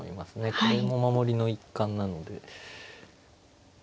これも守りの一環なので。